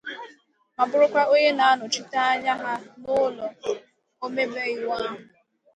ma bụrụkwa onye na-anọchite anya ha n'ụlọ omebe iwu ahụ